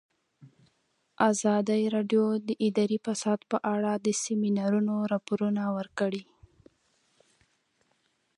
ازادي راډیو د اداري فساد په اړه د سیمینارونو راپورونه ورکړي.